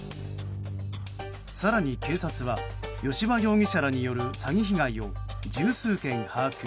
更に、警察は吉羽容疑者らによる詐欺被害を十数件把握。